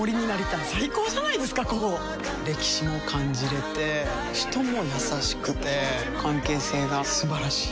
歴史も感じれて人も優しくて関係性が素晴らしい。